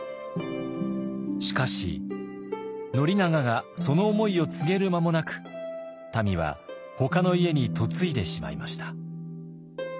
しかし宣長がその思いを告げる間もなくたみはほかの家に嫁いでしまいました。